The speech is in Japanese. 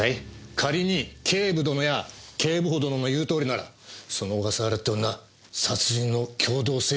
仮に警部殿や警部補殿の言うとおりならその小笠原っていう女殺人の共同正犯ですよね？